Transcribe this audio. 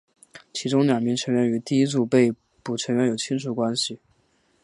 其中两名成员与第一组被捕成员有亲属关系。